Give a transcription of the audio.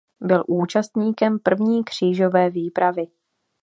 Byl účastníkem první křížové výpravy.